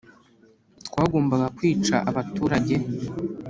twagombaga kwica abaturage